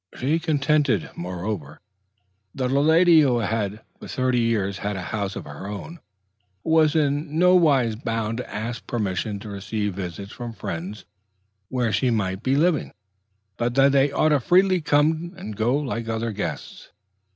She contended, moreover, that a lady who had for thirty years had a house of her own, was in nowise bound to ask permission to receive visits from friends where she might be living, but that they ought freely to come and go like other guests.